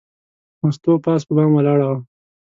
مستو پاس په بام ولاړه وه.